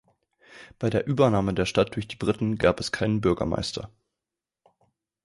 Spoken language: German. Bei der Übernahme der Stadt durch die Briten gab es keinen Bürgermeister.